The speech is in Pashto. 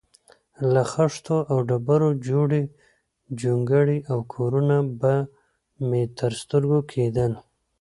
له خښتو او ډبرو جوړې جونګړې او کورونه به مې تر سترګو کېدل.